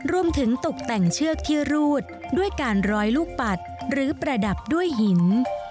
ตกแต่งเชือกที่รูดด้วยการร้อยลูกปัดหรือประดับด้วยหิน